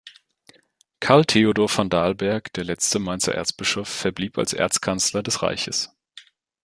Karl Theodor von Dalberg, der letzte Mainzer Erzbischof, verblieb als Erzkanzler des Reiches.